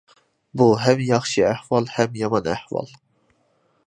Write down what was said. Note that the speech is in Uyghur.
بۇ ھەم ياخشى ئەھۋال ھەم يامان ئەھۋال.